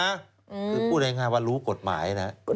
คือพูดง่ายว่ารู้กฎหมายนะ